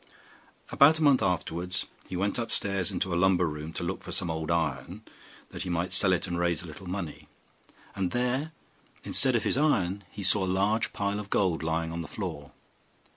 About a month afterwards he went upstairs into a lumber room to look for some old iron, that he might sell it and raise a little money; and there, instead of his iron, he saw a large pile of gold lying on the floor.